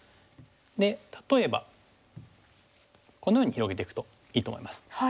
例えばこのように広げていくといいと思います。